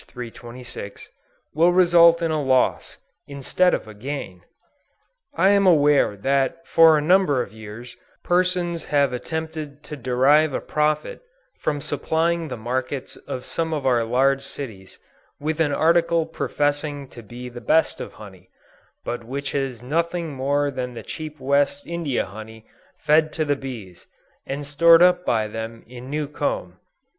326,) will result in a loss, instead of a gain. I am aware that for a number of years, persons have attempted to derive a profit from supplying the markets of some of our large cities, with an article professing to be the best of honey, but which has been nothing more than the cheap West India honey fed to the bees, and stored up by them in new comb.